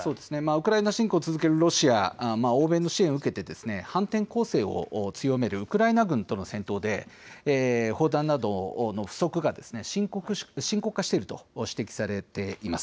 ウクライナ侵攻を続けるロシア、欧米の支援を受けて反転攻勢を強めるウクライナ軍との戦闘で砲弾などの不足が深刻化していると指摘されています。